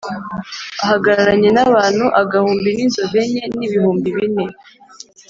ahagararanye n’abantu agahumbi n’inzovu enye n’ibihumbi bine,